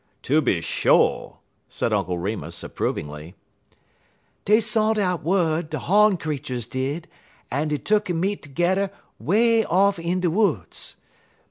"Tooby sho'!" said Uncle Remus, approvingly. "Dey sont out wud, de hawn creeturs did, en dey tuck'n meet terge'er 'way off in de woods.